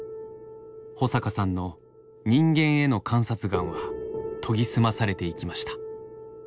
保阪さんの人間への観察眼は研ぎ澄まされていきました。